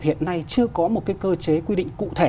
hiện nay chưa có một cái cơ chế quy định cụ thể